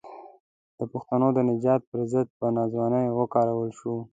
د پښتنو د نجات پر ضد په ناځوانۍ وکارول شو.